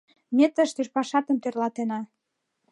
Ме тыште пашатым тӧрлатена.